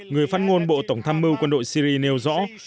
người phát ngôn bộ tổng tham mưu quân đội syri nêu rõ